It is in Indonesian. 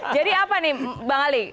jadi apa nih bang ali